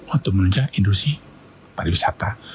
untuk menunjang industri pariwisata